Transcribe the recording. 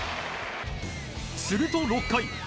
すると、６回。